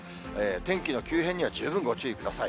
天気の急変には十分ご注意ください。